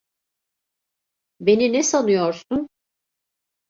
Beni ne sanıyorsun?